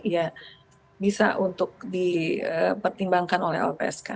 ya bisa untuk dipertimbangkan oleh lpsk